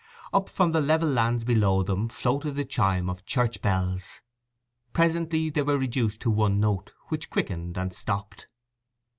Up from the level lands below them floated the chime of church bells. Presently they were reduced to one note, which quickened, and stopped.